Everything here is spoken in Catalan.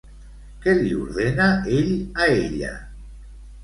Què li ordena ell a ella?